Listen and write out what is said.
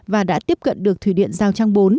và đã tiếp cận được thủy điện giao trang bốn